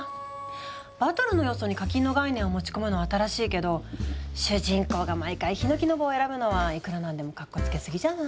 バトルの要素に課金の概念を持ち込むのは新しいけど主人公が毎回ひのきの棒を選ぶのはいくら何でもかっこつけすぎじゃない？